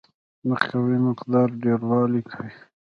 د قوې مقدار ډیروالی کوي.